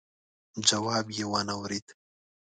جواب يې وانه ورېد.